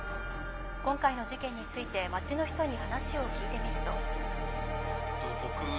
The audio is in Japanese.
今回の事件について街の人に話を聞いてみると。